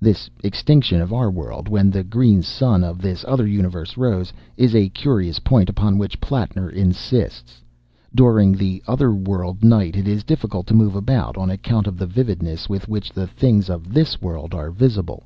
This extinction of our world, when the green sun of this other universe rose, is a curious point upon which Plattner insists. During the Other World night it is difficult to move about, on account of the vividness with which the things of this world are visible.